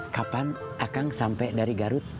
kapan akang sampai dari garut